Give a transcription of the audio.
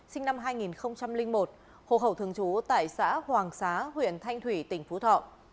sinh năm hai nghìn một hồ khẩu thương chú tại xã hoàng xá huyện thanh thủy tỉnh phú thọ